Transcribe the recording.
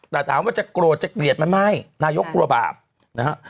แต่ถามว่าจะโกรธจะเกลียดมันไม่นายกกลัวบาปนะฮะ